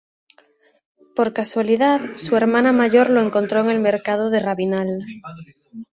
Por casualidad, su hermana mayor lo encontró en el mercado de Rabinal.